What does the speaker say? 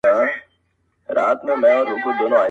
o په دغه خپل وطن كي خپل ورورك.